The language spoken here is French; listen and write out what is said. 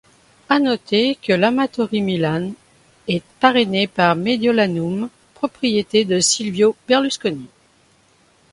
À noter que l'Amatori Milan est parrainé par Mediolanum, propriété de Silvio Berlusconi.